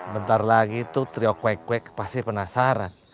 bentar lagi tuh triok kwek kwek pasti penasaran